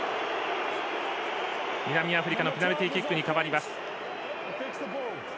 南アフリカのペナルティーキックに変わります。